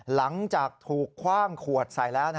หลังจากถูกคว่างขวดใส่แล้ว